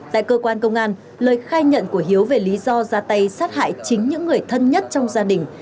tại cơ quan công an lời khai nhận của hiếu về lý do ra tay sát hại chính những người thân nhất trong gia đình